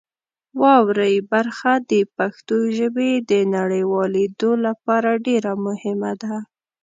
واورئ برخه د پښتو ژبې د نړیوالېدو لپاره ډېر مهمه ده.